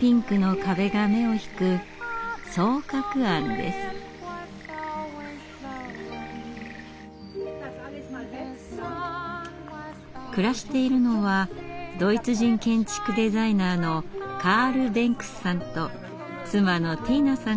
ピンクの壁が目を引く暮らしているのはドイツ人建築デザイナーのカール・ベンクスさんと妻のティーナさん